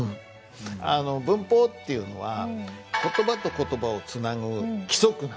あの文法っていうのは言葉と言葉をつなぐ規則なんですねルールなんです。